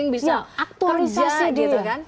bisa aktorisasi gitu ya